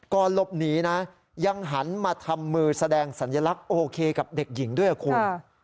ก่อนหลบหนีนะยังหันมาทำมือแสดงสัญลักษณ์โอเคกับเด็กหญิงด้วยคุณ